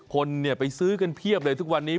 คนไปซื้อกันเพียบเลยทุกวันนี้